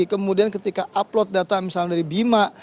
kemudian ketika upload data misalnya dari bima